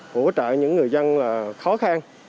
hỗ trợ những người dân khó khăn